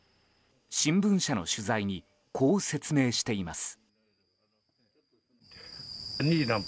新聞社の取材にこう説明しています。